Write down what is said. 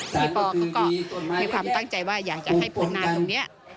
พี่ปอเขาก็มีความตั้งใจว่าอยากจะให้ปวงนาตรงนี้